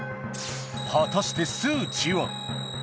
果たして数値は？